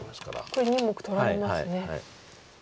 これ２目取られますね。